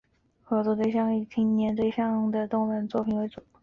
合作的对象以青年对象的动漫作品为主。